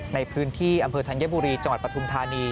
ในพื้นที่อำเภอธัญบุรีจังหวัดปฐุมธานี